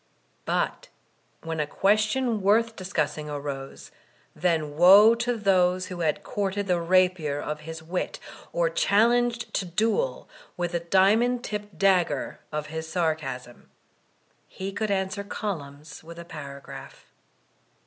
But when a question worth discussing arose, then woe to those who had courted the rapier of his wit, or challenged to duel with the diamond tipped dagger of his sarcasm. He could answer columns with a para graph.